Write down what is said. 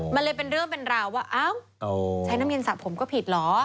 มันเลยเป็นเรื่องเป็นราวว่าอ้าวใช้น้ำเย็นสระผมก็ผิดเหรอ